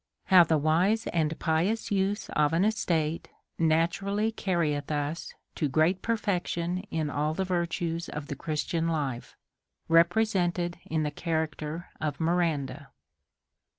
How the wise and pious use of an Estate naturally carrieth us to great perfection in all the virtues of the Christian Life ; represented in the Character q/' Miranda.